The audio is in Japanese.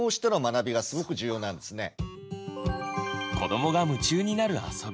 ああいう子どもが夢中になるあそび。